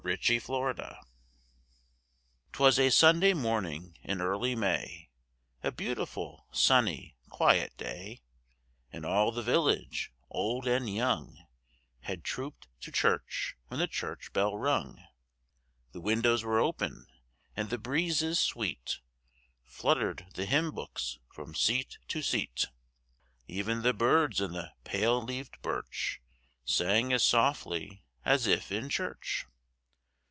ROVER IN CHURCH 'Twas a Sunday morning in early May, A beautiful, sunny, quiet day, And all the village, old and young, Had trooped to church when the church bell rung. The windows were open, and breezes sweet Fluttered the hymn books from seat to seat. Even the birds in the pale leaved birch Sang as softly as if in church!